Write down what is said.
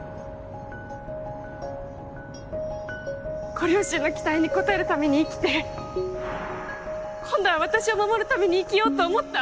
ご両親の期待に応えるために生きて今度は私を守るために生きようと思った？